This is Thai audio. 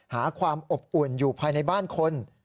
หาความอบอุ่นอยู่ภายในบ้านคน